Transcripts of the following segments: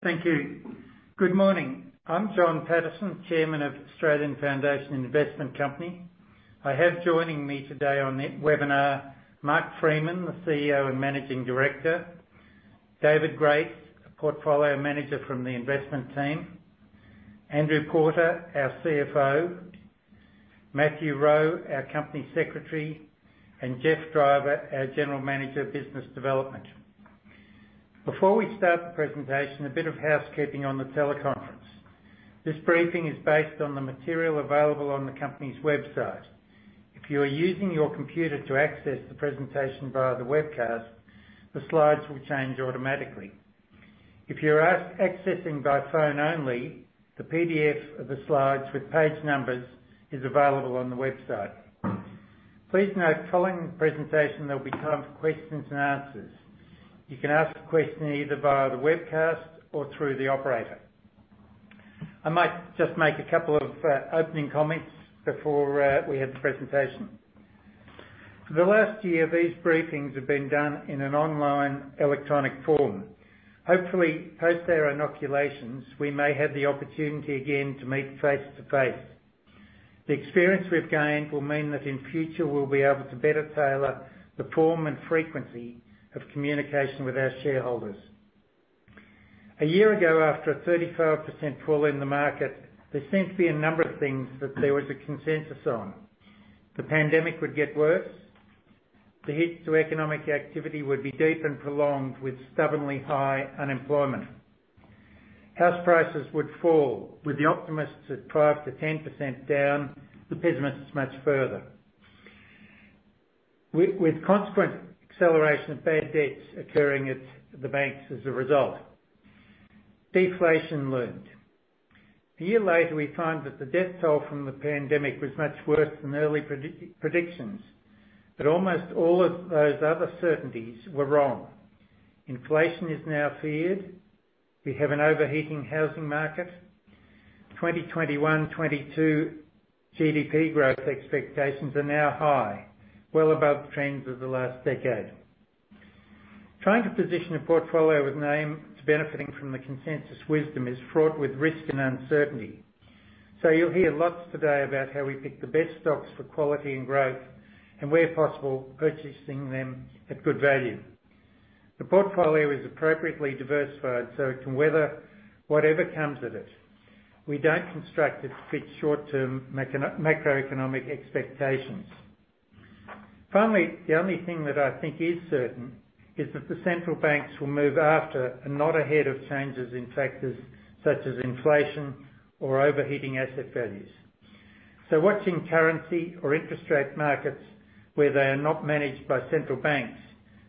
Thank you. Good morning. I'm John Paterson, Chairman of Australian Foundation Investment Company. I have joining me today on the webinar, Mark Freeman, the CEO and Managing Director, David Grace, a Portfolio Manager from the investment team, Andrew Porter, our CFO, Matthew Rowe, our Company Secretary, and Geoff Driver, our General Manager of Business Development. Before we start the presentation, a bit of housekeeping on the teleconference. This briefing is based on the material available on the company's website. If you are using your computer to access the presentation via the webcast, the slides will change automatically. If you're accessing by phone only, the PDF of the slides with page numbers is available on the website. Please note, following the presentation, there'll be time for questions and answers. You can ask a question either via the webcast or through the operator. I might just make a couple of opening comments before we have the presentation. For the last year, these briefings have been done in an online electronic form. Hopefully, post our inoculations, we may have the opportunity again to meet face-to-face. The experience we've gained will mean that in future, we'll be able to better tailor the form and frequency of communication with our shareholders. A year ago, after a 35% fall in the market, there seemed to be a number of things that there was a consensus on. The pandemic would get worse. The hit to economic activity would be deep and prolonged with stubbornly high unemployment. House prices would fall, with the optimists at 5%-10% down, the pessimists much further, with consequent acceleration of bad debts occurring at the banks as a result. Deflation loomed. A year later, we find that the death toll from the pandemic was much worse than early predictions. Almost all of those other certainties were wrong. Inflation is now feared. We have an overheating housing market. 2021, 2022 GDP growth expectations are now high, well above trends of the last decade. Trying to position a portfolio with an aim to benefiting from the consensus wisdom is fraught with risk and uncertainty. You'll hear lots today about how we pick the best stocks for quality and growth, and where possible, purchasing them at good value. The portfolio is appropriately diversified so it can weather whatever comes at it. We don't construct it to fit short-term macroeconomic expectations. Finally, the only thing that I think is certain is that the central banks will move after and not ahead of changes in factors such as inflation or overheating asset values. Watching currency or interest rate markets where they are not managed by central banks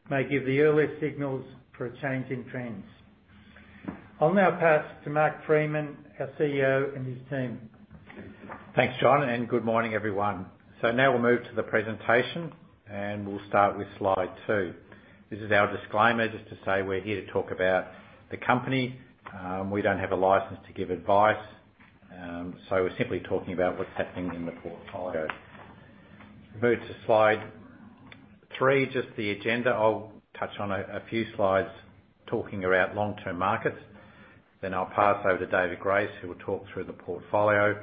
may give the earliest signals for a change in trends. I will now pass to Mark Freeman, our CEO, and his team. Thanks, John, and good morning, everyone. Now we'll move to the presentation, and we'll start with slide two. This is our disclaimer just to say we're here to talk about the company. We don't have a license to give advice, so we're simply talking about what's happening in the portfolio. Move to slide three, just the agenda. I'll touch on a few slides talking about long-term markets. I'll pass over to David Grace, who will talk through the portfolio.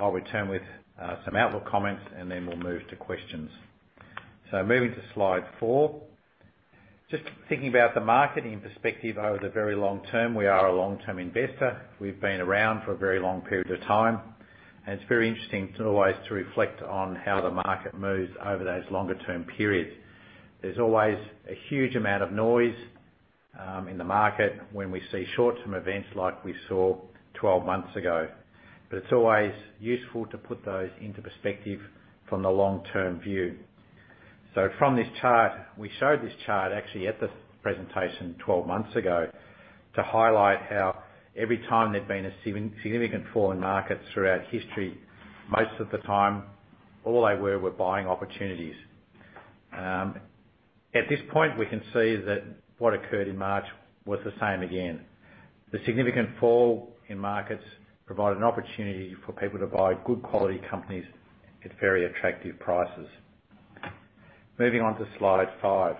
I'll return with some outlook comments and then we'll move to questions. Moving to slide four. Just thinking about the marketing perspective over the very long term. We are a long-term investor. We've been around for a very long period of time, and it's very interesting to always reflect on how the market moves over those longer-term periods. There's always a huge amount of noise in the market when we see short-term events like we saw 12 months ago. It's always useful to put those into perspective from the long-term view. From this chart, we showed this chart actually at the presentation 12 months ago to highlight how every time there'd been a significant fall in markets throughout history, most of the time, all they were buying opportunities. At this point, we can see that what occurred in March was the same again. The significant fall in markets provided an opportunity for people to buy good quality companies at very attractive prices. Moving on to slide five.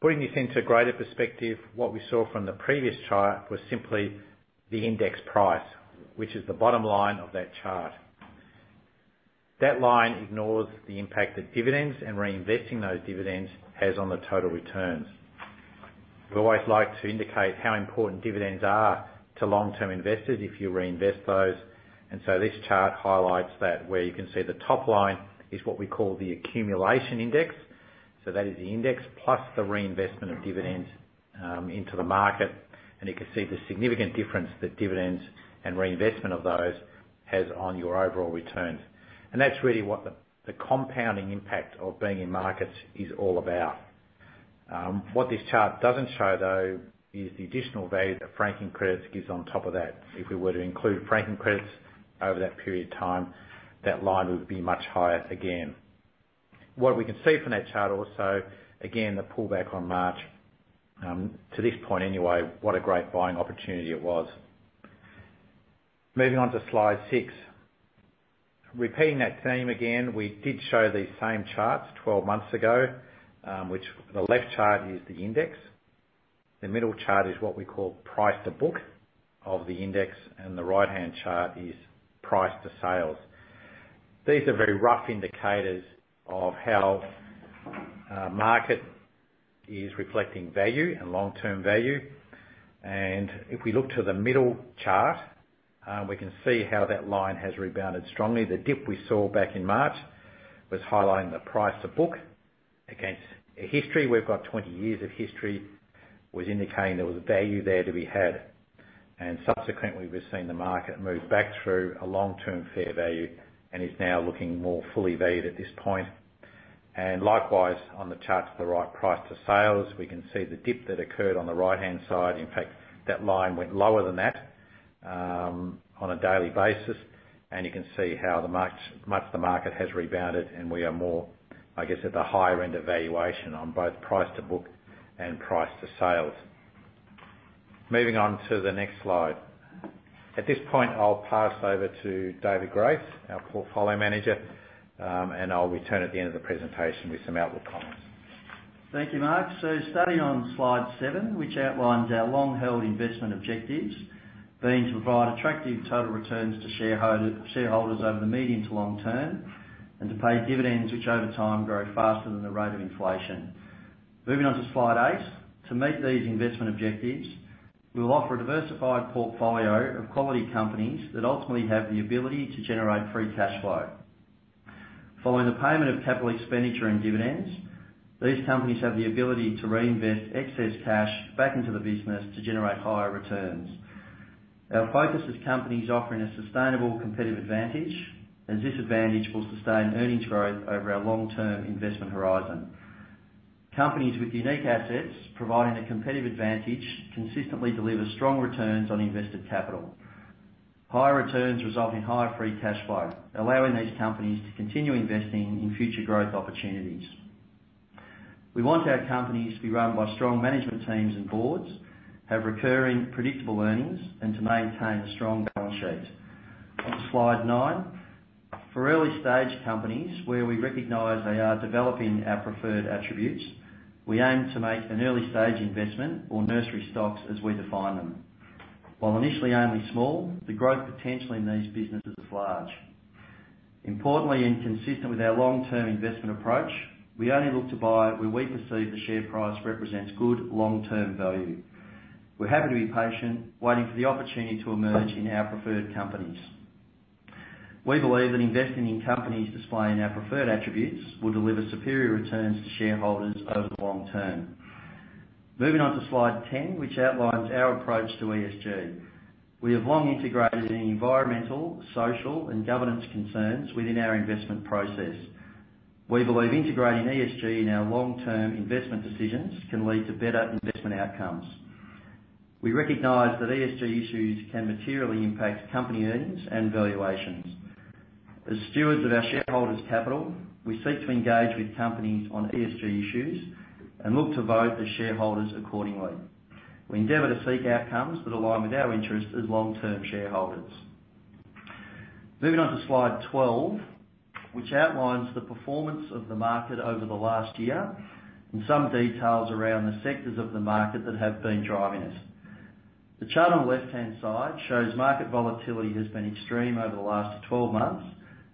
Putting this into greater perspective, what we saw from the previous chart was simply the index price, which is the bottom line of that chart. That line ignores the impact that dividends and reinvesting those dividends has on the total returns. We always like to indicate how important dividends are to long-term investors if you reinvest those. This chart highlights that, where you can see the top line is what we call the accumulation index. That is the index plus the reinvestment of dividends into the market. You can see the significant difference that dividends and reinvestment of those has on your overall returns. That's really what the compounding impact of being in markets is all about. What this chart doesn't show, though, is the additional value that franking credits gives on top of that. If we were to include franking credits over that period of time, that line would be much higher again. What we can see from that chart also, again, the pullback on March, to this point anyway, what a great buying opportunity it was. Moving on to slide six. Repeating that theme again, we did show these same charts 12 months ago, which the left chart is the index, the middle chart is what we call price-to-book of the index, and the right-hand chart is price-to-sales. These are very rough indicators of how market is reflecting value and long-term value. If we look to the middle chart, we can see how that line has rebounded strongly. The dip we saw back in March was highlighting the price-to-book against history. We've got 20 years of history, was indicating there was value there to be had. Subsequently, we've seen the market move back through a long-term fair value and is now looking more fully valued at this point. Likewise, on the chart to the right, price-to-sales, we can see the dip that occurred on the right-hand side. In fact, that line went lower than that on a daily basis, and you can see how much the market has rebounded, and we are more, I guess, at the higher end of valuation on both price-to-book and price-to-sales. Moving on to the next slide. At this point, I'll pass over to David Grace, our Portfolio Manager, and I'll return at the end of the presentation with some outlook comments. Thank you, Mark. Starting on slide seven, which outlines our long-held investment objectives, being to provide attractive total returns to shareholders over the medium to long term, and to pay dividends, which over time grow faster than the rate of inflation. Moving on to slide eight. To meet these investment objectives, we will offer a diversified portfolio of quality companies that ultimately have the ability to generate free cash flow. Following the payment of capital expenditure and dividends, these companies have the ability to reinvest excess cash back into the business to generate higher returns. Our focus is companies offering a sustainable competitive advantage, as this advantage will sustain earnings growth over our long-term investment horizon. Companies with unique assets providing a competitive advantage consistently deliver strong returns on invested capital. Higher returns result in higher free cash flow, allowing these companies to continue investing in future growth opportunities. We want our companies to be run by strong management teams and boards, have recurring predictable earnings, and to maintain a strong balance sheet. On to slide nine. For early-stage companies where we recognize they are developing our preferred attributes, we aim to make an early-stage investment or nursery stocks as we define them. While initially only small, the growth potential in these businesses is large. Importantly, and consistent with our long-term investment approach, we only look to buy where we perceive the share price represents good long-term value. We're happy to be patient, waiting for the opportunity to emerge in our preferred companies. We believe that investing in companies displaying our preferred attributes will deliver superior returns to shareholders over the long term. Moving on to slide 10, which outlines our approach to ESG. We have long integrated environmental, social, and governance concerns within our investment process. We believe integrating ESG in our long-term investment decisions can lead to better investment outcomes. We recognize that ESG issues can materially impact company earnings and valuations. As stewards of our shareholders' capital, we seek to engage with companies on ESG issues and look to vote as shareholders accordingly. We endeavor to seek outcomes that align with our interest as long-term shareholders. Moving on to slide 12, which outlines the performance of the market over the last year and some details around the sectors of the market that have been driving us. The chart on the left-hand side shows market volatility has been extreme over the last 12 months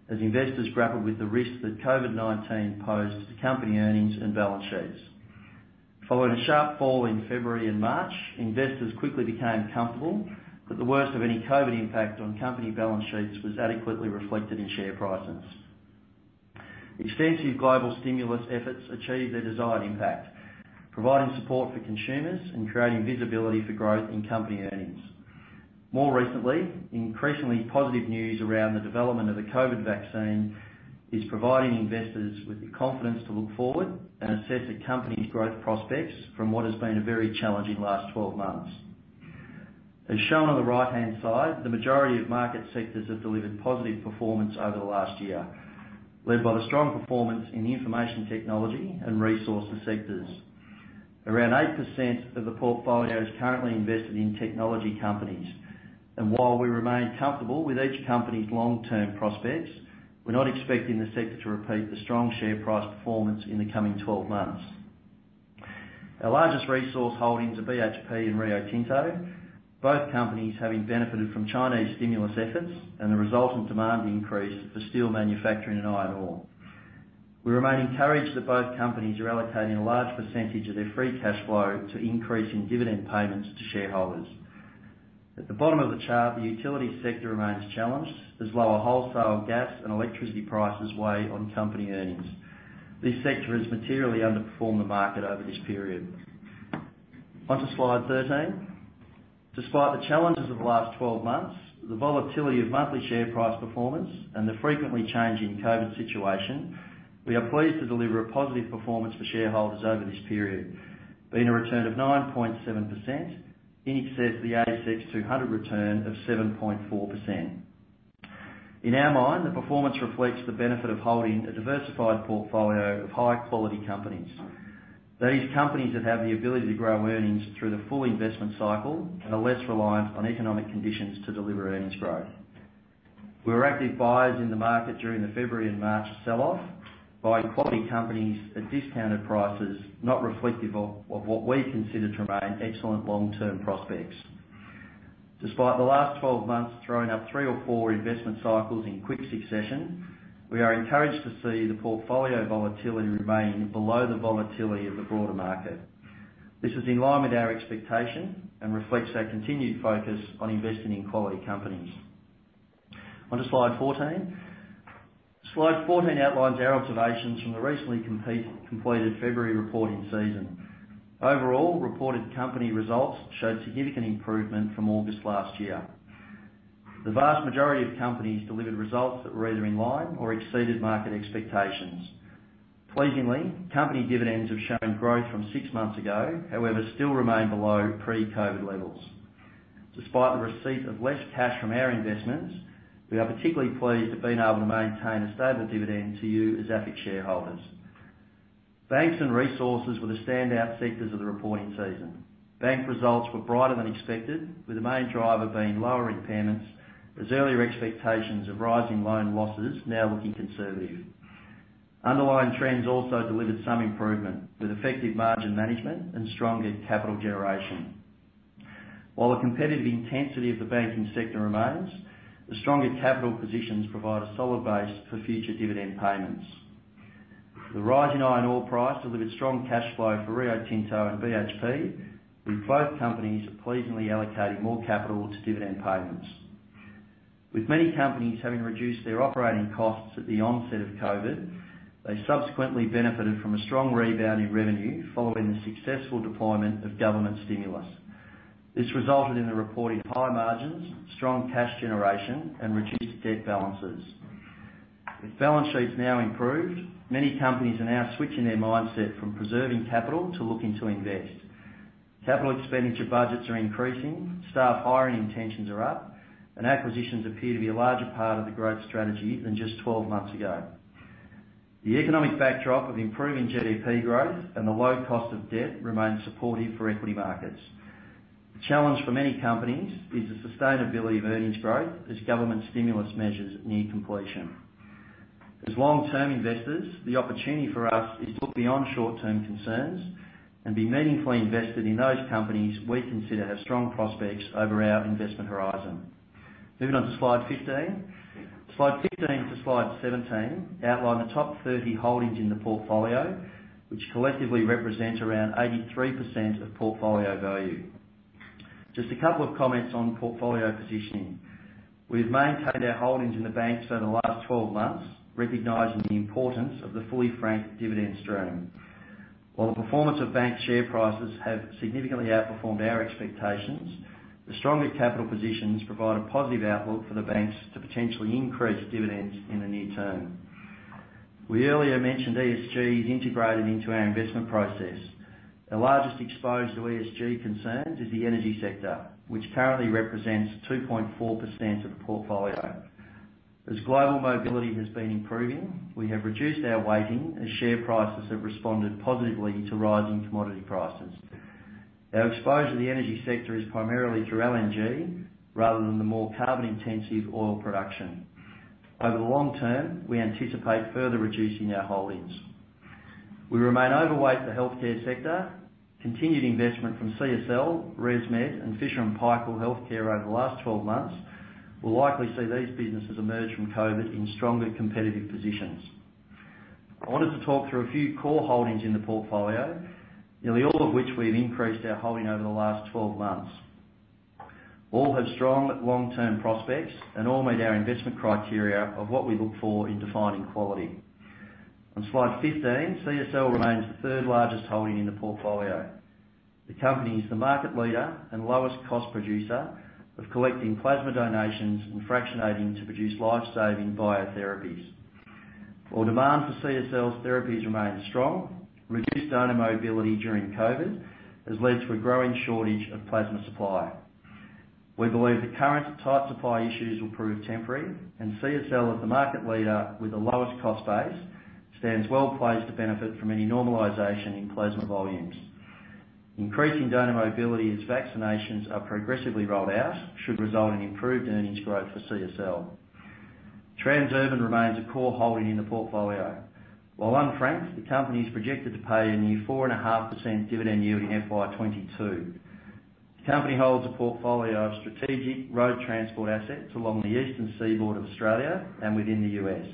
as investors grappled with the risk that COVID-19 posed to company earnings and balance sheets. Following a sharp fall in February and March, investors quickly became comfortable that the worst of any COVID-19 impact on company balance sheets was adequately reflected in share prices. Extensive global stimulus efforts achieved their desired impact, providing support for consumers and creating visibility for growth in company earnings. More recently, increasingly positive news around the development of the COVID-19 vaccine is providing investors with the confidence to look forward and assess a company's growth prospects from what has been a very challenging last 12 months. As shown on the right-hand side, the majority of market sectors have delivered positive performance over the last year, led by the strong performance in information technology and resources sectors. Around 8% of the portfolio is currently invested in technology companies, while we remain comfortable with each company's long-term prospects, we're not expecting the sector to repeat the strong share price performance in the coming 12 months. Our largest resource holdings are BHP and Rio Tinto, both companies having benefited from China's stimulus efforts and the resultant demand increase for steel manufacturing and iron ore. We remain encouraged that both companies are allocating a large percentage of their free cash flow to increasing dividend payments to shareholders. At the bottom of the chart, the utility sector remains challenged as lower wholesale gas and electricity prices weigh on company earnings. This sector has materially underperformed the market over this period. On to slide 13. Despite the challenges of the last 12 months, the volatility of monthly share price performance, and the frequently changing COVID-19 situation, we are pleased to deliver a positive performance for shareholders over this period, being a return of 9.7% in excess of the S&P/ASX 200 return of 7.4%. In our mind, the performance reflects the benefit of holding a diversified portfolio of high-quality companies. These companies have the ability to grow earnings through the full investment cycle and are less reliant on economic conditions to deliver earnings growth. We were active buyers in the market during the February and March sell-off, buying quality companies at discounted prices, not reflective of what we consider to remain excellent long-term prospects. Despite the last 12 months throwing up three or four investment cycles in quick succession, we are encouraged to see the portfolio volatility remain below the volatility of the broader market. This is in line with our expectation and reflects our continued focus on investing in quality companies. On to slide 14. Slide 14 outlines our observations from the recently completed February reporting season. Overall, reported company results showed significant improvement from August last year. The vast majority of companies delivered results that were either in line or exceeded market expectations. Pleasingly, company dividends have shown growth from six months ago, however, still remain below pre-COVID-19 levels. Despite the receipt of less cash from our investments, we are particularly pleased at being able to maintain a stable dividend to you as AFIC shareholders. Banks and resources were the standout sectors of the reporting season. Bank results were brighter than expected, with the main driver being lower impairments as earlier expectations of rising loan losses, now looking conservative. Underlying trends also delivered some improvement, with effective margin management and stronger capital generation. While the competitive intensity of the banking sector remains, the stronger capital positions provide a solid base for future dividend payments. The rise in iron ore price delivered strong cash flow for Rio Tinto and BHP, with both companies pleasingly allocating more capital to dividend payments. With many companies having reduced their operating costs at the onset of COVID-19, they subsequently benefited from a strong rebound in revenue following the successful deployment of government stimulus. This resulted in the reported high margins, strong cash generation, and reduced debt balances. With balance sheets now improved, many companies are now switching their mindset from preserving capital to looking to invest. Capital expenditure budgets are increasing, staff hiring intentions are up, and acquisitions appear to be a larger part of the growth strategy than just 12 months ago. The economic backdrop of improving GDP growth and the low cost of debt remains supportive for equity markets. The challenge for many companies is the sustainability of earnings growth as government stimulus measures near completion. As long-term investors, the opportunity for us is to look beyond short-term concerns and be meaningfully invested in those companies we consider have strong prospects over our investment horizon. Moving on to slide 15. Slide 15 to slide 17 outline the top 30 holdings in the portfolio, which collectively represent around 83% of portfolio value. Just a couple of comments on portfolio positioning. We've maintained our holdings in the banks over the last 12 months, recognizing the importance of the fully franked dividend stream. While the performance of bank share prices have significantly outperformed our expectations, the stronger capital positions provide a positive outlook for the banks to potentially increase dividends in the near term. We earlier mentioned ESG is integrated into our investment process. Our largest exposure to ESG concerns is the energy sector, which currently represents 2.4% of the portfolio. As global mobility has been improving, we have reduced our weighting as share prices have responded positively to rising commodity prices. Our exposure to the energy sector is primarily through LNG rather than the more carbon-intensive oil production. Over the long term, we anticipate further reducing our holdings. We remain overweight the healthcare sector. Continued investment from CSL, ResMed, and Fisher & Paykel Healthcare over the last 12 months will likely see these businesses emerge from COVID-19 in stronger competitive positions. I wanted to talk through a few core holdings in the portfolio, nearly all of which we've increased our holding over the last 12 months. All have strong long-term prospects and all meet our investment criteria of what we look for in defining quality. On slide 15, CSL remains the third-largest holding in the portfolio. The company is the market leader and lowest cost producer of collecting plasma donations and fractionating to produce life-saving biotherapies. While demand for CSL's therapies remains strong, reduced donor mobility during COVID-19 has led to a growing shortage of plasma supply. We believe the current tight supply issues will prove temporary, and CSL as the market leader with the lowest cost base, stands well-placed to benefit from any normalization in plasma volumes. Increasing donor mobility as vaccinations are progressively rolled out should result in improved earnings growth for CSL. Transurban remains a core holding in the portfolio. While unfranked, the company is projected to pay a near 4.5% dividend yield in FY 2022. The company holds a portfolio of strategic road transport assets along the eastern seaboard of Australia and within the U.S.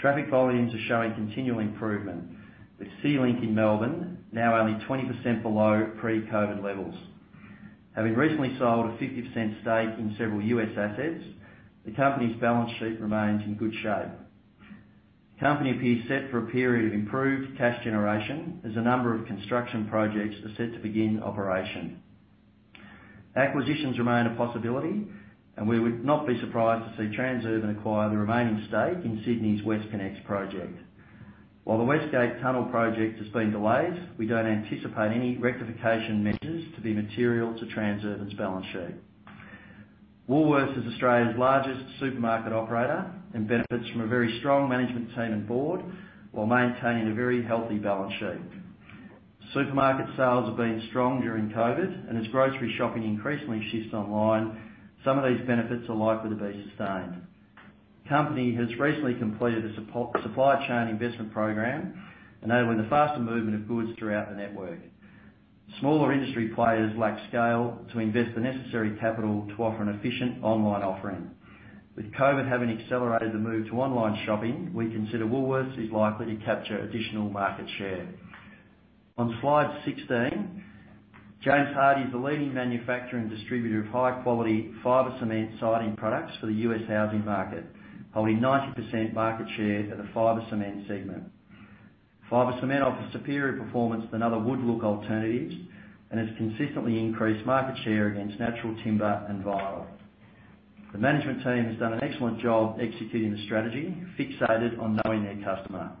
Traffic volumes are showing continual improvement, with CityLink in Melbourne now only 20% below pre-COVID-19 levels. Having recently sold a 50% stake in several U.S. assets, the company's balance sheet remains in good shape. The company appears set for a period of improved cash generation as a number of construction projects are set to begin operation. Acquisitions remain a possibility, and we would not be surprised to see Transurban acquire the remaining stake in Sydney's WestConnex project. While the West Gate Tunnel project has been delayed, we don't anticipate any rectification measures to be material to Transurban's balance sheet. Woolworths is Australia's largest supermarket operator and benefits from a very strong management team and board while maintaining a very healthy balance sheet. Supermarket sales have been strong during COVID, and as grocery shopping increasingly shifts online, some of these benefits are likely to be sustained. The company has recently completed a supply chain investment program, enabling the faster movement of goods throughout the network. Smaller industry players lack scale to invest the necessary capital to offer an efficient online offering. With COVID having accelerated the move to online shopping, we consider Woolworths is likely to capture additional market share. On slide 16, James Hardie is the leading manufacturer and distributor of high-quality fiber cement siding products for the U.S. housing market, holding 90% market share of the fiber cement segment. Fiber cement offers superior performance than other wood-look alternatives and has consistently increased market share against natural timber and vinyl. The management team has done an excellent job executing the strategy, fixated on knowing their customer.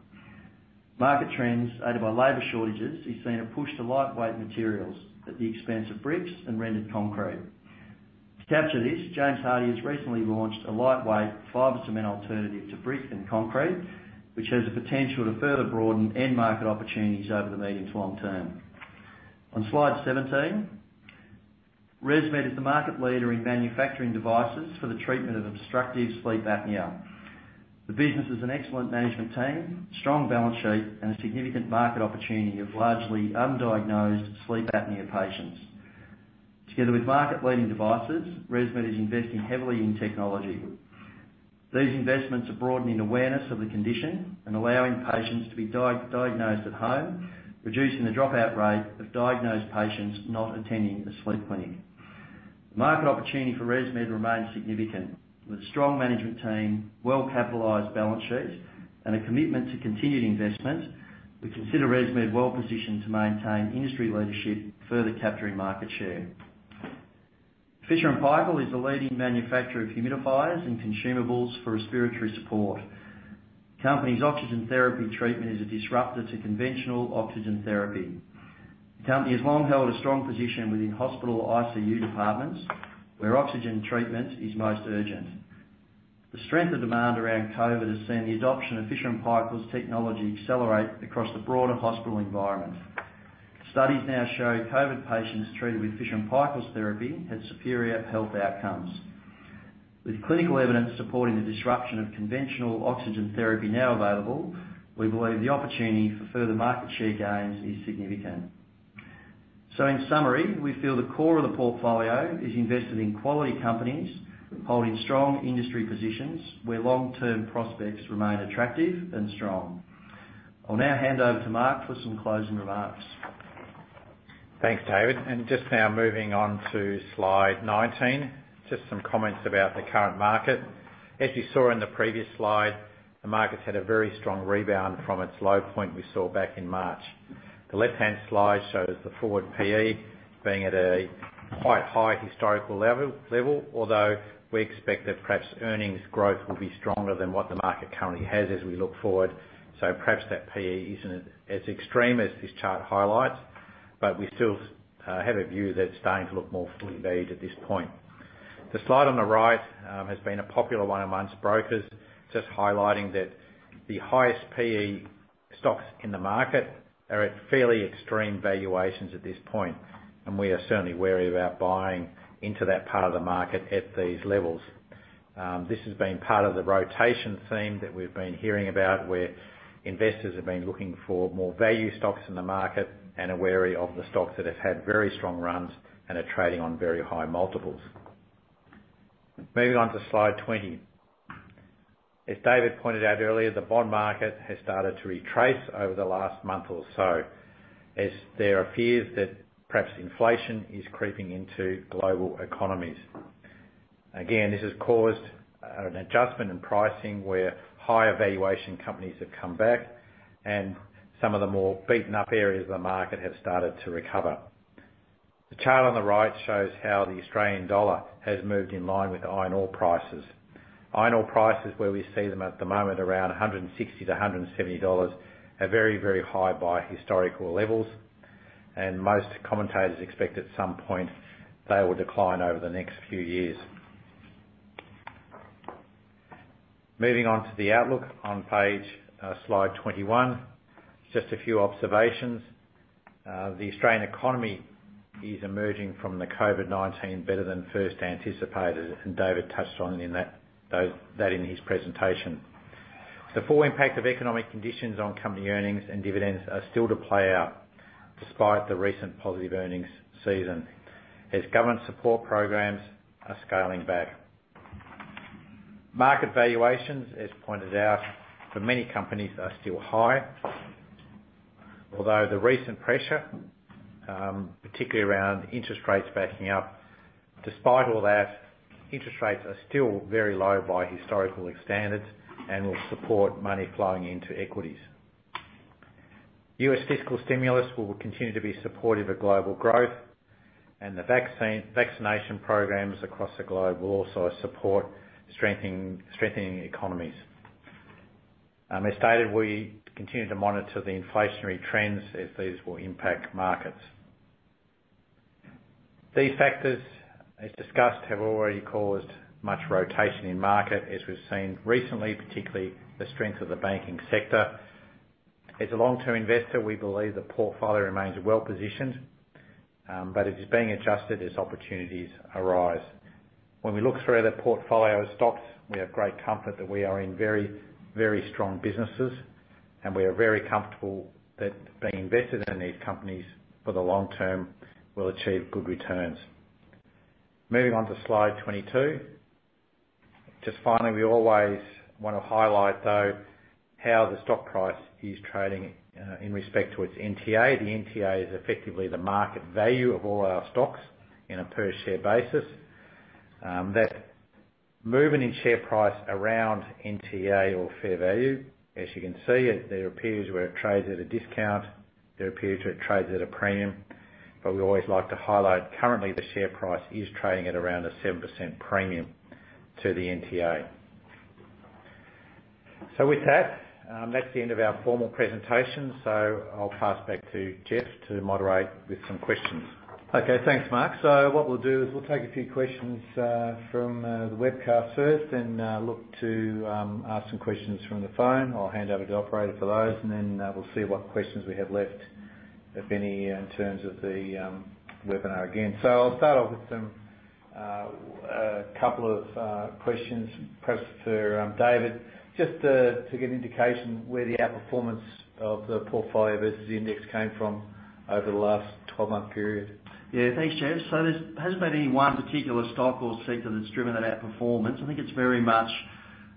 Market trends, aided by labor shortages, is seeing a push to lightweight materials at the expense of bricks and rendered concrete. To capture this, James Hardie has recently launched a lightweight fiber cement alternative to brick and concrete, which has the potential to further broaden end market opportunities over the medium to long term. On slide 17, ResMed is the market leader in manufacturing devices for the treatment of obstructive sleep apnea. The business has an excellent management team, strong balance sheet, and a significant market opportunity of largely undiagnosed sleep apnea patients. Together with market-leading devices, ResMed is investing heavily in technology. These investments are broadening awareness of the condition and allowing patients to be diagnosed at home, reducing the dropout rate of diagnosed patients not attending a sleep clinic. The market opportunity for ResMed remains significant. With a strong management team, well-capitalized balance sheet, and a commitment to continued investment, we consider ResMed well-positioned to maintain industry leadership, further capturing market share. Fisher & Paykel is the leading manufacturer of humidifiers and consumables for respiratory support. Company's oxygen therapy treatment is a disruptor to conventional oxygen therapy. The company has long held a strong position within hospital ICU departments, where oxygen treatment is most urgent. The strength of demand around COVID-19 has seen the adoption of Fisher & Paykel's technology accelerate across the broader hospital environment. Studies now show COVID-19 patients treated with Fisher & Paykel's therapy had superior health outcomes. With clinical evidence supporting the disruption of conventional oxygen therapy now available, we believe the opportunity for further market share gains is significant. In summary, we feel the core of the portfolio is invested in quality companies holding strong industry positions where long-term prospects remain attractive and strong. I'll now hand over to Mark for some closing remarks. Thanks, David. Just now moving on to slide 19, just some comments about the current market. As you saw in the previous slide, the market's had a very strong rebound from its low point we saw back in March. The left-hand slide shows the forward PE being at a quite high historical level, although we expect that perhaps earnings growth will be stronger than what the market currently has as we look forward. Perhaps that PE isn't as extreme as this chart highlights, but we still have a view that it's starting to look more fully valued at this point. The slide on the right has been a popular one amongst brokers, just highlighting that the highest PE stocks in the market are at fairly extreme valuations at this point, and we are certainly wary about buying into that part of the market at these levels. This has been part of the rotation theme that we've been hearing about, where investors have been looking for more value stocks in the market and are wary of the stocks that have had very strong runs and are trading on very high multiples. Moving on to slide 20. As David pointed out earlier, the bond market has started to retrace over the last month or so as there are fears that perhaps inflation is creeping into global economies. Again, this has caused an adjustment in pricing where higher valuation companies have come back and some of the more beaten-up areas of the market have started to recover. The chart on the right shows how the Australian dollar has moved in line with iron ore prices. Iron ore prices, where we see them at the moment, around 160-170 dollars, are very high by historical levels, and most commentators expect at some point they will decline over the next few years. Moving on to the outlook on slide 21. Just a few observations. The Australian economy is emerging from the COVID-19 better than first anticipated, and David touched on that in his presentation. The full impact of economic conditions on company earnings and dividends are still to play out despite the recent positive earnings season, as government support programs are scaling back. Market valuations, as pointed out, for many companies are still high, although the recent pressure, particularly around interest rates backing up, despite all that, interest rates are still very low by historical standards and will support money flowing into equities. U.S. fiscal stimulus will continue to be supportive of global growth, and the vaccination programs across the globe will also support strengthening economies. As stated, we continue to monitor the inflationary trends as these will impact markets. These factors, as discussed, have already caused much rotation in market as we've seen recently, particularly the strength of the banking sector. As a long-term investor, we believe the portfolio remains well-positioned, but it is being adjusted as opportunities arise. When we look through the portfolio of stocks, we have great comfort that we are in very strong businesses, and we are very comfortable that being invested in these companies for the long term will achieve good returns. Moving on to slide 22. Just finally, we always want to highlight, though, how the stock price is trading in respect to its NTA. The NTA is effectively the market value of all our stocks in a per share basis. That movement in share price around NTA or fair value, as you can see, there appears where it trades at a discount, there appears where it trades at a premium. We always like to highlight currently the share price is trading at around a 7% premium to the NTA. With that's the end of our formal presentation. I'll pass back to Geoff to moderate with some questions. Okay. Thanks, Mark. What we'll do is we'll take a few questions from the webcast first, then look to ask some questions from the phone. I'll hand over to the operator for those, then we'll see what questions we have left, if any, in terms of the webinar again. I'll start off with a couple of questions, perhaps for David, just to get an indication where the outperformance of the portfolio versus the index came from over the last 12-month period. Yeah, thanks, Geoff. There hasn't been any one particular stock or sector that's driven that outperformance. I think it's very much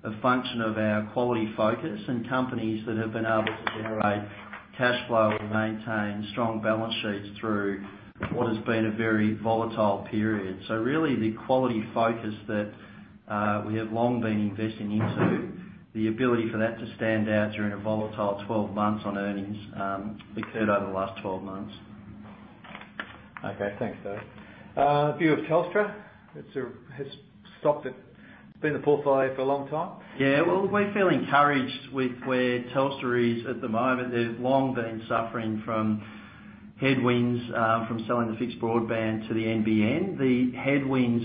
a function of our quality focus and companies that have been able to generate cash flow or maintain strong balance sheets through what has been a very volatile period. Really, the quality focus that we have long been investing into, the ability for that to stand out during a volatile 12 months on earnings occurred over the last 12 months. Okay. Thanks, David. View of Telstra? It's a stock that's been in the portfolio for a long time. Well, we feel encouraged with where Telstra is at the moment. They've long been suffering from headwinds from selling the fixed broadband to the NBN. The headwinds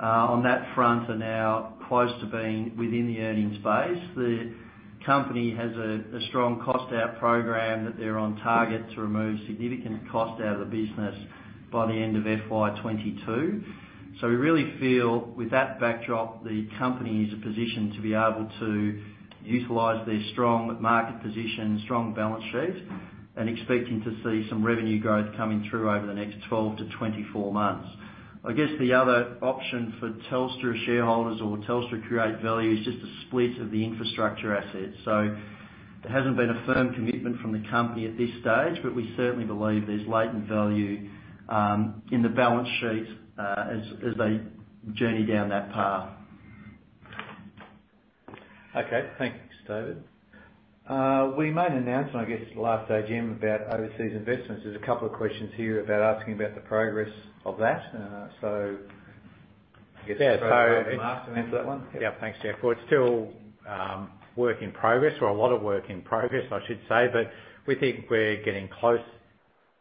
on that front are now close to being within the earnings base. The company has a strong cost-out program that they're on target to remove significant cost out of the business by the end of FY 2022. We really feel with that backdrop, the company is a position to be able to utilize their strong market position, strong balance sheet, and expecting to see some revenue growth coming through over the next 12-24 months. I guess the other option for Telstra shareholders or Telstra to create value is just a split of the infrastructure assets. There hasn't been a firm commitment from the company at this stage, but we certainly believe there's latent value in the balance sheet as they journey down that path. Okay. Thanks, David. We made an announcement, I guess, last AGM about overseas investments. There's a couple of questions here about asking about the progress of that. Yeah. Mark can answer that one. Yeah. Thanks, Geoff. Well, it's still work in progress or a lot of work in progress, I should say, but we think we're getting close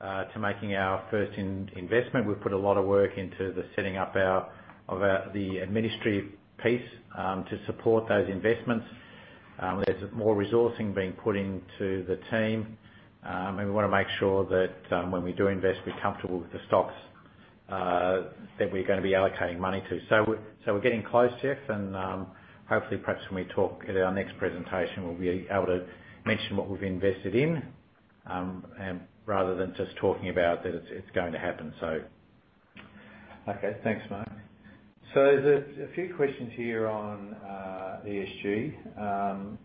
to making our first investment. We've put a lot of work into the setting up of the administrative piece to support those investments. There's more resourcing being put into the team, and we want to make sure that when we do invest, we're comfortable with the stocks that we're going to be allocating money to. We're getting close, Geoff, and hopefully perhaps when we talk at our next presentation, we'll be able to mention what we've invested in rather than just talking about that it's going to happen. Okay. Thanks, Mark. There's a few questions here on ESG.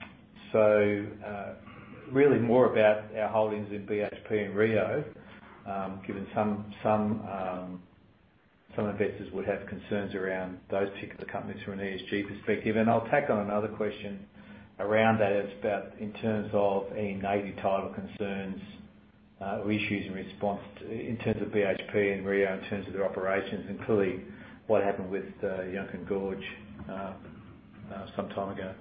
Really more about our holdings in BHP and Rio, given some investors would have concerns around those particular companies from an ESG perspective. I'll tack on another question around that. It's about in terms of any native title concerns or issues in response to, in terms of BHP and Rio, in terms of their operations, including what happened with Juukan Gorge some time ago.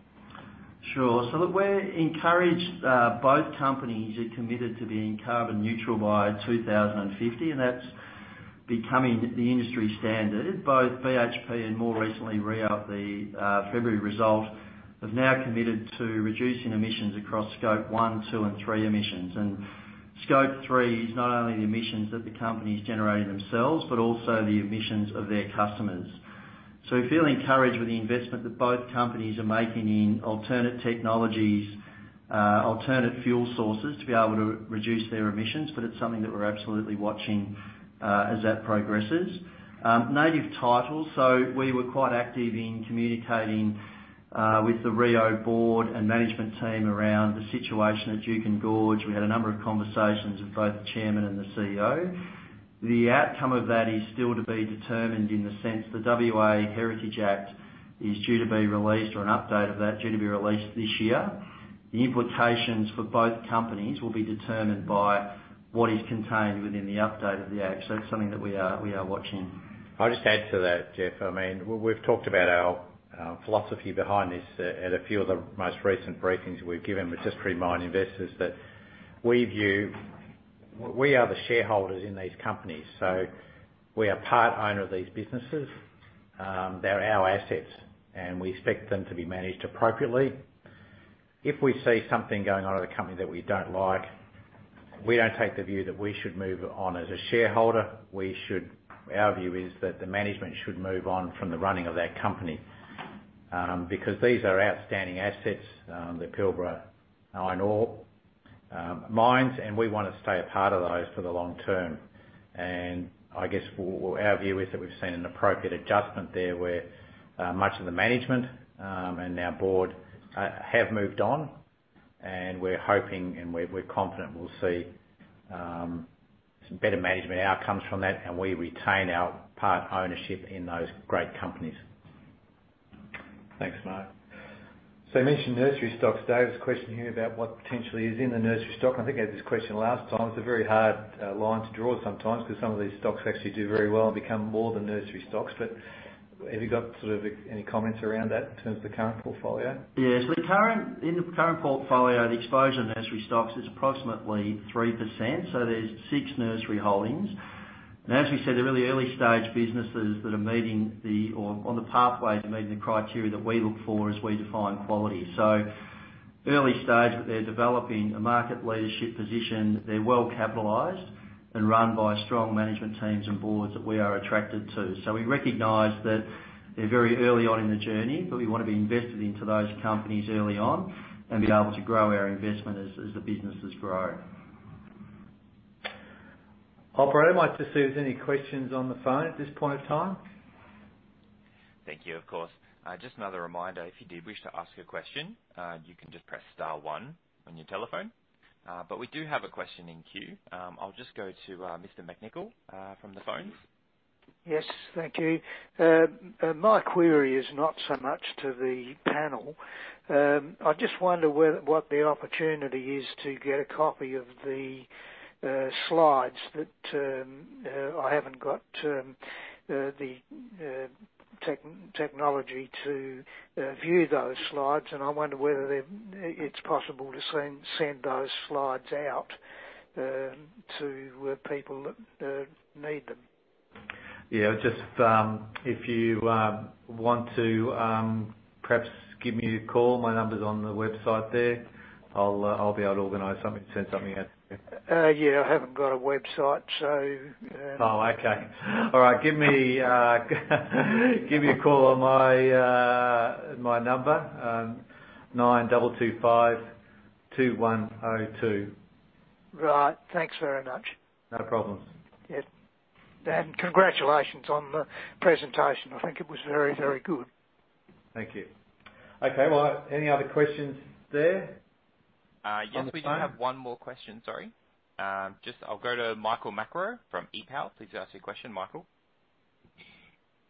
Sure. Look, we're encouraged. Both companies are committed to being carbon neutral by 2050, and that's becoming the industry standard. Both BHP and more recently, Rio, at the February result, have now committed to reducing emissions across Scope 1, 2, and 3 emissions. Scope 3 is not only the emissions that the companies generate themselves, but also the emissions of their customers. We feel encouraged with the investment that both companies are making in alternate technologies, alternate fuel sources to be able to reduce their emissions, but it's something that we're absolutely watching as that progresses. Native titles, we were quite active in communicating with the Rio board and management team around the situation at Juukan Gorge. We had a number of conversations with both the Chairman and the CEO. The outcome of that is still to be determined in the sense the WA Heritage Act 2018 is due to be released or an update of that is due to be released this year. The implications for both companies will be determined by what is contained within the update of the act. It's something that we are watching. I'll just add to that, Geoff. We've talked about our philosophy behind this at a few of the most recent briefings we've given, but just to remind investors that we are the shareholders in these companies. We are part owner of these businesses. They're our assets, and we expect them to be managed appropriately. If we see something going on in a company that we don't like, we don't take the view that we should move on as a shareholder. Our view is that the management should move on from the running of that company, because these are outstanding assets, the Pilbara iron ore mines, and we want to stay a part of those for the long term. I guess our view is that we've seen an appropriate adjustment there, where much of the management and our board have moved on, and we're hoping and we're confident we'll see some better management outcomes from that, and we retain our part ownership in those great companies. Thanks, Mark. You mentioned nursery stocks. Dave has a question here about what potentially is in the nursery stock. I think I had this question last time. It's a very hard line to draw sometimes because some of these stocks actually do very well and become more than nursery stocks. Have you got any comments around that in terms of the current portfolio? Yes. In the current portfolio, the exposure to nursery stocks is approximately 3%. There's six nursery holdings. As we said, they're really early-stage businesses that are on the pathway to meeting the criteria that we look for as we define quality, early stage, but they're developing a market leadership position. They're well capitalized and run by strong management teams and boards that we are attracted to. We recognize that they're very early on in the journey, but we want to be invested into those companies early on and be able to grow our investment as the businesses grow. Operator, might just see if there's any questions on the phone at this point in time. Thank you. Of course. Just another reminder, if you do wish to ask a question, you can just press star one on your telephone. We do have a question in queue. I'll just go to Mr. McNichol from the phones. Yes, thank you. My query is not so much to the panel. I just wonder what the opportunity is to get a copy of the slides. I haven't got the technology to view those slides, and I wonder whether it's possible to send those slides out to people that need them. If you want to perhaps give me a call, my number's on the website there. I'll be able to organize something, send something out to you. Yeah, I haven't got a website. Oh, okay. All right. Give me a call on my number, 92252102. Right. Thanks very much. No problems. Yeah. Congratulations on the presentation. I think it was very good. Thank you. Okay, well, any other questions there on the phone? Yes, we do have one more question, sorry. I'll go to Michael Macro from EPAL. Please ask your question, Michael.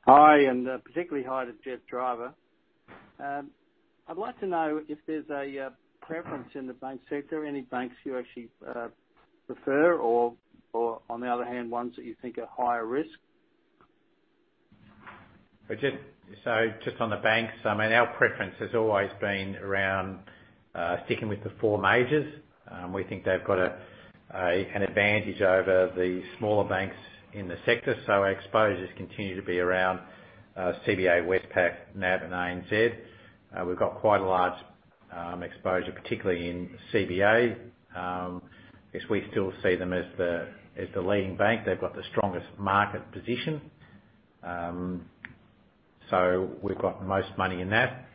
Hi, and particularly hi to Geoff Driver. I'd like to know if there's a preference in the banks. Are there any banks you actually prefer or, on the other hand, ones that you think are higher risk? Just on the banks, our preference has always been around sticking with the four majors. We think they've got an advantage over the smaller banks in the sector. Our exposures continue to be around CBA, Westpac, NAB and ANZ. We've got quite a large exposure, particularly in CBA, as we still see them as the leading bank. They've got the strongest market position. We've got the most money in that.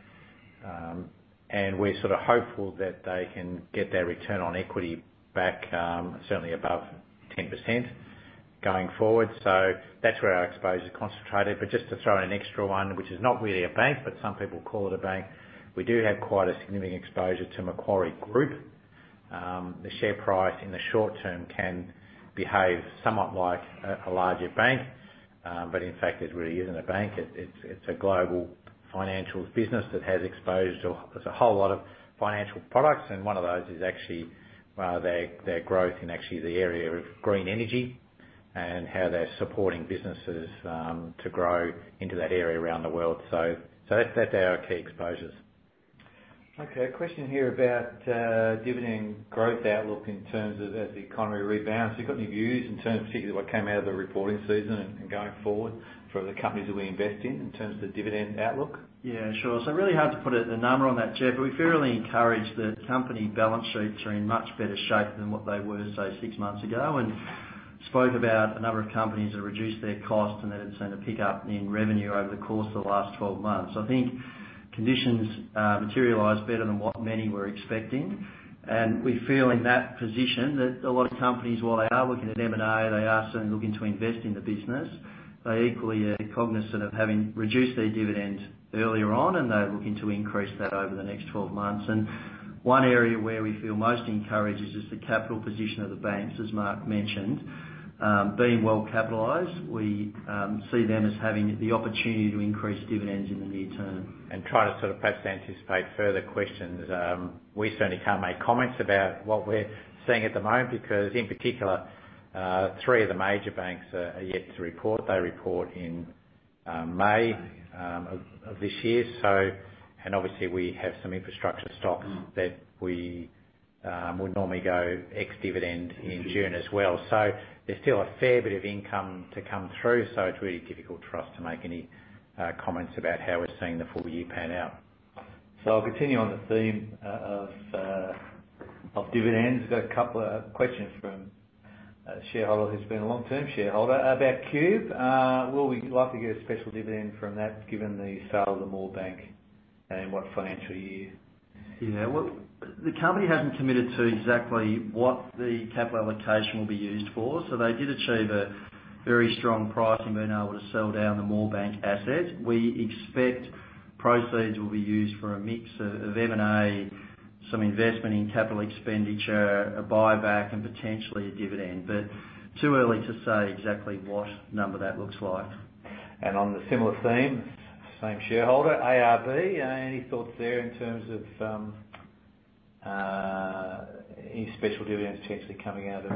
We're sort of hopeful that they can get their return on equity back, certainly above 10% going forward. That's where our exposure concentrated. Just to throw in an extra one, which is not really a bank, but some people call it a bank. We do have quite a significant exposure to Macquarie Group. The share price in the short term can behave somewhat like a larger bank. In fact, it really isn't a bank. It's a global financials business that has exposure to a whole lot of financial products, and one of those is actually their growth in the area of green energy and how they're supporting businesses to grow into that area around the world. That's our key exposures. A question here about dividend growth outlook in terms of as the economy rebounds. Have you got any views in terms of particularly what came out of the reporting season and going forward for the companies that we invest in terms of the dividend outlook? Really hard to put a number on that, Geoff, but we're fairly encouraged that company balance sheets are in much better shape than what they were, say, six months ago and spoke about a number of companies that reduced their cost and that had seen a pickup in revenue over the course of the last 12 months. I think conditions materialized better than what many were expecting. We feel in that position that a lot of companies, while they are looking at M&A, they are certainly looking to invest in the business. They equally are cognizant of having reduced their dividends earlier on, and they're looking to increase that over the next 12 months. One area where we feel most encouraged is the capital position of the banks, as Mark mentioned. Being well-capitalized, we see them as having the opportunity to increase dividends in the near term. Try to perhaps anticipate further questions. We certainly can't make comments about what we're seeing at the moment because, in particular, three of the major banks are yet to report. They report in May of this year. Obviously, we have some infrastructure stocks that would normally go ex-dividend in June as well. There's still a fair bit of income to come through. It's really difficult for us to make any comments about how we're seeing the full year pan out. I'll continue on the theme of dividends. Got a couple of questions from a shareholder who's been a long-term shareholder about Qube. Will we likely get a special dividend from that given the sale of the Moorebank, and in what financial year? Yeah. Well, the company hasn't committed to exactly what the capital allocation will be used for. They did achieve a very strong pricing, being able to sell down the Moorebank asset. We expect proceeds will be used for a mix of M&A, some investment in capital expenditure, a buyback, and potentially a dividend. Too early to say exactly what number that looks like. On the similar theme, same shareholder, ARB. Any thoughts there in terms of any special dividends potentially coming out of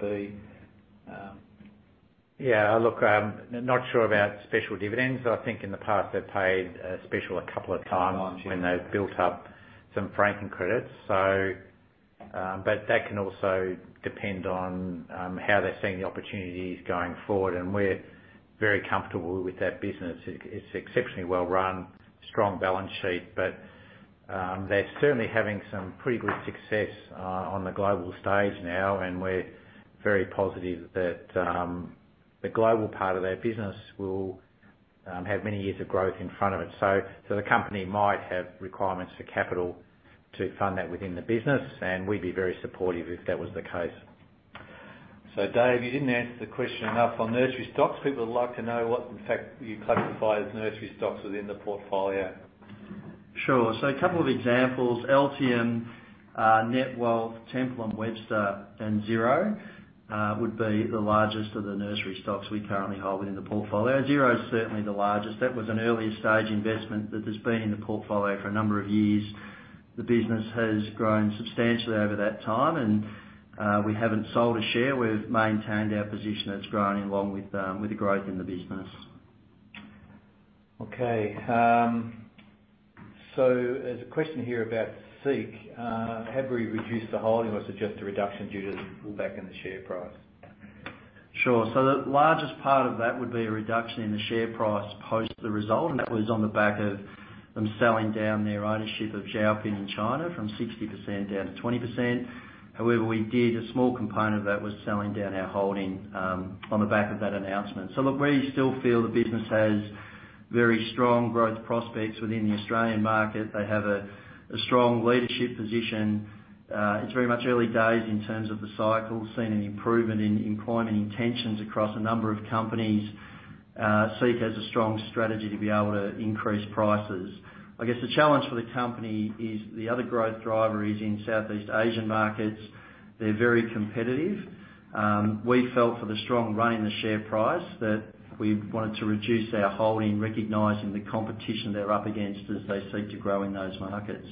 ARB? Yeah. Look, not sure about special dividends. I think in the past, they've paid a special a couple of times. When they've built up some franking credits. That can also depend on how they're seeing the opportunities going forward. We're very comfortable with that business. It's exceptionally well-run, strong balance sheet. They're certainly having some pretty good success on the global stage now, and we're very positive that the global part of their business will have many years of growth in front of it. The company might have requirements for capital to fund that within the business, and we'd be very supportive if that was the case. Dave, you didn't answer the question enough on nursery stocks. People would like to know what, in fact, you classify as nursery stocks within the portfolio. A couple of examples. Altium, Netwealth, Temple & Webster, and Xero would be the largest of the nursery stocks we currently hold within the portfolio. Xero is certainly the largest. That was an early-stage investment that has been in the portfolio for a number of years. The business has grown substantially over that time, and we haven't sold a share. We've maintained our position. It's grown along with the growth in the business. Okay. There's a question here about SEEK. Have we reduced the holding, or is it just a reduction due to the pullback in the share price? Sure. The largest part of that would be a reduction in the share price post the result, and that was on the back of them selling down their ownership of Zhaopin in China from 60% down to 20%. However, we did, a small component of that was selling down our holding on the back of that announcement. We still feel the business has very strong growth prospects within the Australian market. They have a strong leadership position. It's very much early days in terms of the cycle. Seeing an improvement in climate intentions across a number of companies. SEEK has a strong strategy to be able to increase prices. I guess the challenge for the company is the other growth driver is in Southeast Asian markets. They're very competitive. We felt for the strong run in the share price, that we wanted to reduce our holding, recognizing the competition they're up against as they seek to grow in those markets.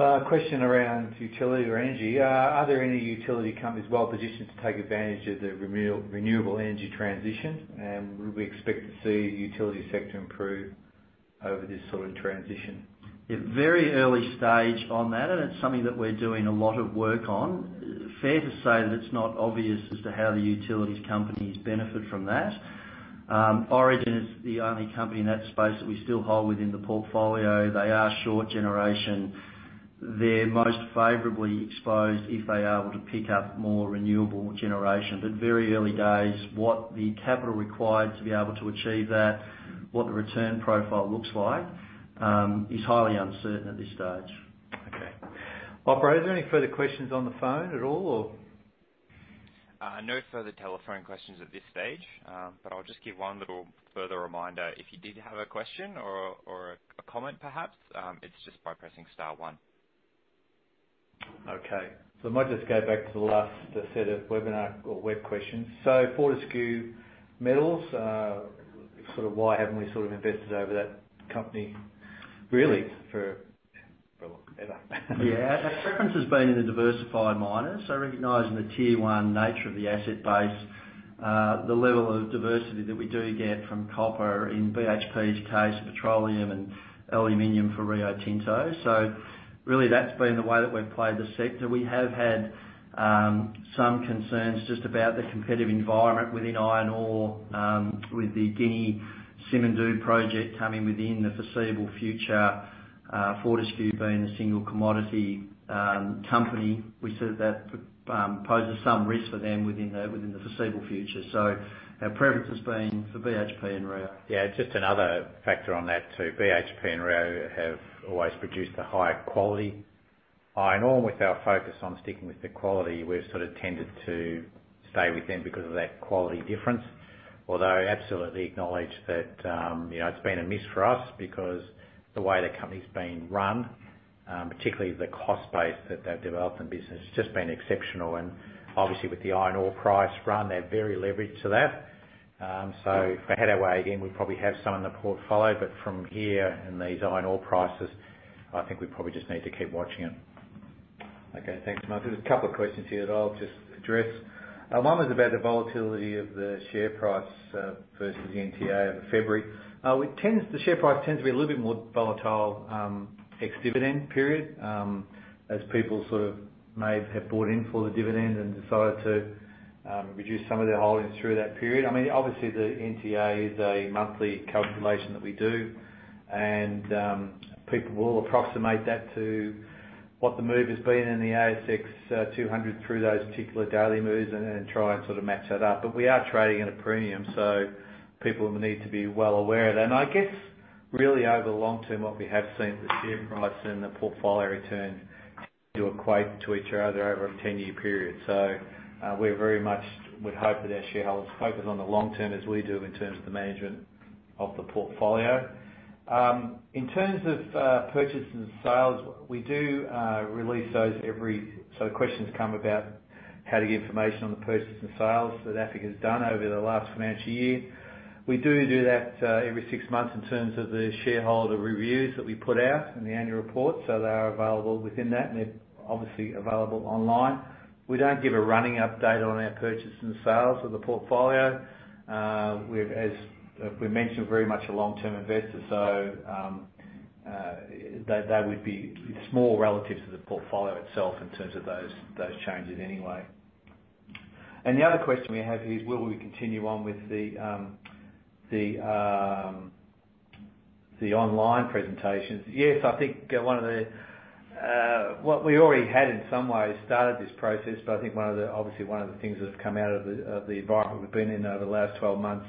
A question around utility or energy. Are there any utility companies well-positioned to take advantage of the renewable energy transition? Would we expect to see the utility sector improve over this sort of transition? Yeah. Very early stage on that, and it's something that we're doing a lot of work on. Fair to say that it's not obvious as to how the utilities companies benefit from that. Origin is the only company in that space that we still hold within the portfolio. They are short generation. They're most favorably exposed if they are able to pick up more renewable generation. Very early days. What the capital required to be able to achieve that, what the return profile looks like, is highly uncertain at this stage. Okay. Operator, is there any further questions on the phone at all or? No further telephone questions at this stage. I'll just give one little further reminder. If you did have a question or a comment perhaps, it's just by pressing star one. Okay. I might just go back to the last set of webinar or web questions. Fortescue Metals, why haven't we invested over that company really for a lot longer? Yeah. Our preference has been in the diversified miners. Recognizing the tier 1 nature of the asset base, the level of diversity that we do get from copper, in BHP's case, petroleum and aluminum for Rio Tinto. really that's been the way that we've played the sector. We have had some concerns just about the competitive environment within iron ore, with the Guinea Simandou project coming within the foreseeable future. Fortescue being a single commodity company, we see that poses some risk for them within the foreseeable future. Our preference has been for BHP and Rio. Just another factor on that, too. BHP and Rio have always produced a higher quality. Iron ore with our focus on sticking with the quality, we've sort of tended to stay with them because of that quality difference. Although I absolutely acknowledge that, it's been a miss for us because the way the company's been run, particularly the cost base that they've developed in business, has just been exceptional. Obviously with the iron ore price run, they're very leveraged to that. If we had our way again, we'd probably have some in the portfolio, but from here in these iron ore prices, I think we probably just need to keep watching it. Okay, thanks, Mark. There's a couple of questions here that I'll just address. One was about the volatility of the share price, versus the NTA over February. The share price tends to be a little bit more volatile, ex-dividend period, as people sort of may have bought in for the dividend and decided to reduce some of their holdings through that period. Obviously, the NTA is a monthly calculation that we do, and people will approximate that to what the move has been in the ASX 200 through those particular daily moves and try and sort of match that up. We are trading at a premium, so people need to be well aware of that. I guess really over the long term, what we have seen is the share price and the portfolio return do equate to each other over a 10-year period. We very much would hope that our shareholders focus on the long term as we do in terms of the management of the portfolio. In terms of purchases and sales, questions come about how to get information on the purchases and sales that AFIC has done over the last financial year. We do that every six months in terms of the shareholder reviews that we put out and the annual report. They are available within that, and they're obviously available online. We don't give a running update on our purchases and sales of the portfolio. As we mentioned, we're very much a long-term investor, that would be small relative to the portfolio itself in terms of those changes anyway. The other question we have is will we continue on with the online presentations? Yes, I think what we already had in some ways started this process, I think obviously one of the things that have come out of the environment we've been in over the last 12 months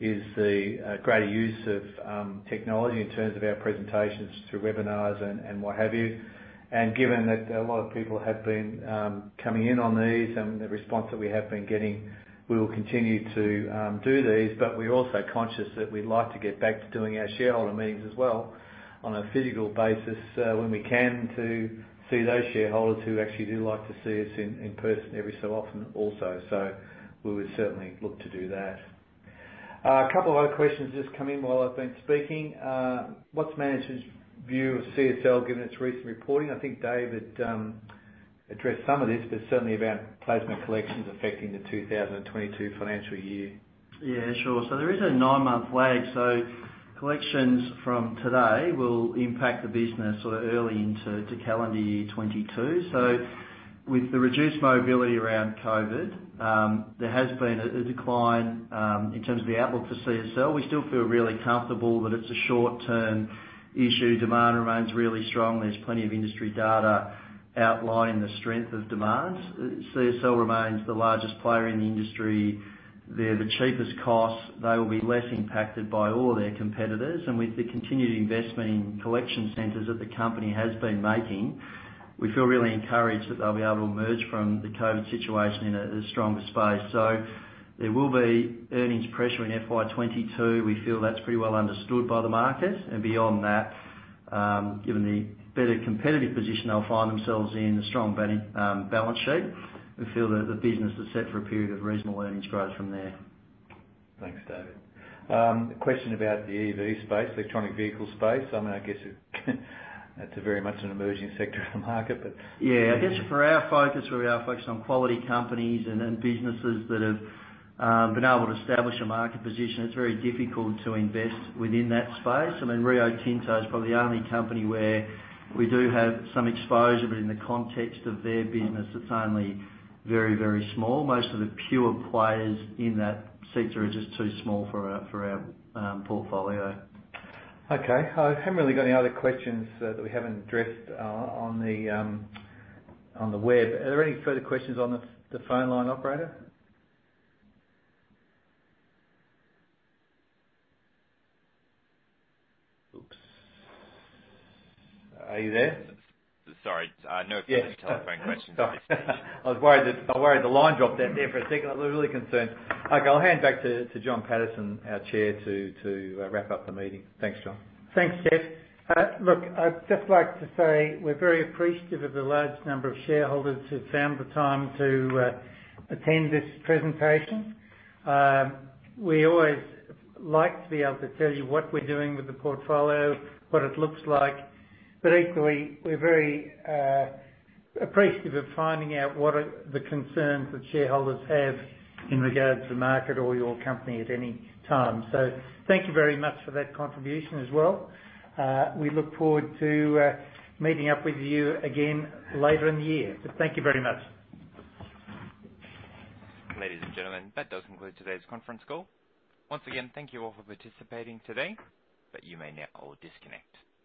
is the greater use of technology in terms of our presentations through webinars and what have you. Given that a lot of people have been coming in on these and the response that we have been getting, we will continue to do these. We're also conscious that we'd like to get back to doing our shareholder meetings as well on a physical basis, when we can to see those shareholders who actually do like to see us in person every so often also. We would certainly look to do that. A couple of other questions just come in while I've been speaking. What's management's view of CSL given its recent reporting? I think David addressed some of this, but certainly about plasma collections affecting the 2022 financial year. Yeah, sure. There is a nine-month lag. Collections from today will impact the business early into calendar year 2022. With the reduced mobility around COVID-19, there has been a decline in terms of the outlook for CSL. We still feel really comfortable that it's a short-term issue. Demand remains really strong. There's plenty of industry data outlining the strength of demand. CSL remains the largest player in the industry. They're the cheapest cost. They will be less impacted by all their competitors. With the continued investment in collection centers that the company has been making, we feel really encouraged that they'll be able to emerge from the COVID-19 situation in a stronger space. There will be earnings pressure in FY22. We feel that's pretty well understood by the market. Beyond that, given the better competitive position they'll find themselves in, the strong balance sheet, we feel that the business is set for a period of reasonable earnings growth from there. Thanks, David. A question about the EV space, electronic vehicle space. I guess that's very much an emerging sector of the market. Yeah. I guess for our focus, we are focused on quality companies and businesses that have been able to establish a market position. It's very difficult to invest within that space. Rio Tinto is probably the only company where we do have some exposure, but in the context of their business, it's only very, very small. Most of the pure players in that sector are just too small for our portfolio. Okay. I haven't really got any other questions that we haven't addressed on the web. Are there any further questions on the phone line, operator? Oops. Are you there? Sorry. No further telephone questions. I was worried the line dropped out there for a second. I was really concerned. Okay, I'll hand back to John Paterson, our Chair, to wrap up the meeting. Thanks, John. Thanks, Geoff. Look, I'd just like to say we're very appreciative of the large number of shareholders who found the time to attend this presentation. We always like to be able to tell you what we're doing with the portfolio, what it looks like. Equally, we're very appreciative of finding out what are the concerns that shareholders have in regards to the market or your company at any time. Thank you very much for that contribution as well. We look forward to meeting up with you again later in the year. Thank you very much. Ladies and gentlemen, that does conclude today's conference call. Once again, thank you all for participating today. You may now all disconnect.